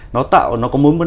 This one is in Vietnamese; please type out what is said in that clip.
nó có mối mân